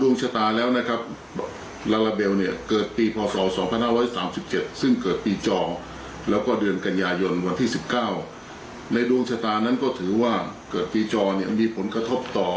ในดวงชะตานั้นก็ถือว่าเกิดตีจอมีผลกระทบต่อ